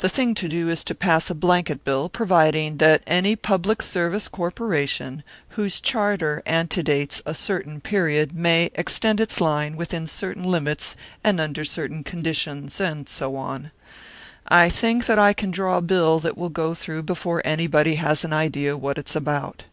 The thing to do is to pass a blanket bill, providing that any public service corporation whose charter antedates a certain period may extend its line within certain limits and under certain conditions, and so on. I think that I can draw a bill that will go through before anybody has an idea what it's about."